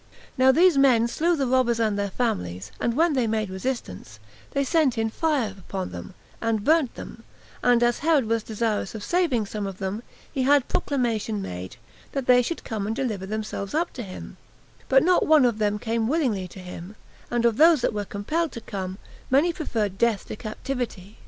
Now these men slew the robbers and their families, and when they made resistance, they sent in fire upon them [and burnt them]; and as Herod was desirous of saving some of them, he had proclamation made, that they should come and deliver themselves up to him; but not one of them came willingly to him; and of those that were compelled to come, many preferred death to captivity.